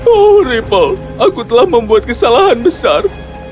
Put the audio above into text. oh ripple aku telah membuat kesalahan besar